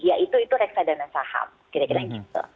ya itu reksadana saham kira kira gitu